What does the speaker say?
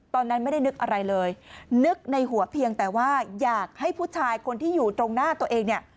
ตอนนั้นไม่ได้นึกอะไรเลยนึกในหัวเพียงแต่ว่าอยากให้ผู้ชายคนที่อยู่ตรงหน้าตัวเองเนี่ย